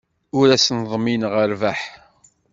Ur asen-ḍmineɣ rrbeḥ.